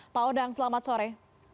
pak odang selamat sore